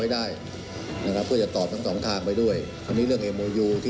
แล้วจะกลับไปยังไง